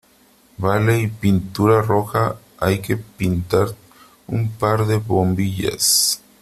vale . y pintura roja . hay que pintar un par de bombillas .